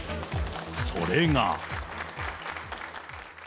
それが。